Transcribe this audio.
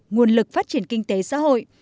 nguồn lực phát triển kinh tế xã hội